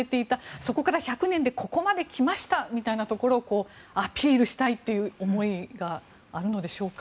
そこから１００年でここまで来ましたということをアピールしたいという思いがあるのでしょうか。